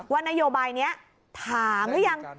ว่านโยบายนี้ถามหรือยัง